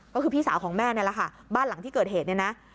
ก็คือพี่สาวของแม่นี่แหละค่ะบ้านหลังที่เกิดเหตุเนี่ยนะ